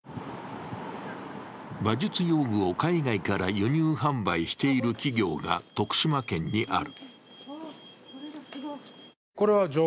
馬術用具を海外から輸入販売している企業が徳島県にある。